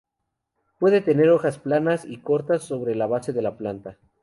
Puede tener hojas planas y cortas sobre la base de la planta.